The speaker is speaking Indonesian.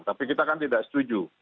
tapi kita kan tidak setuju